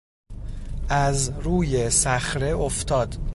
از روی صخره افتاد.